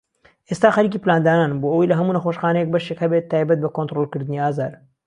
ئێستا خەریكی پلاندانانم بۆ ئەوەی لە هەموو نەخۆشخانەیەك بەشێك هەبێت تایبەت بە كۆنترۆڵكردنی ئازار